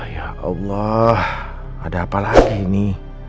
ya allah ada apa lagi ini